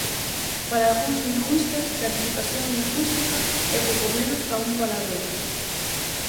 Para algúns lingüistas, planificación lingüística é pouco menos ca un palabrón.